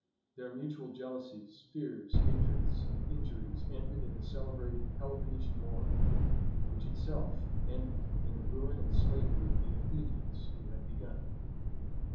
Their mutual jealousies, fears, hatreds, and injuries ended in the celebrated Peloponnesian war; which itself ended in the ruin and slavery of the Athenians who had begun it.